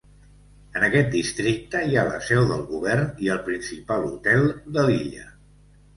En aquest districte hi ha la seu del govern i el principal hotel de l'illa.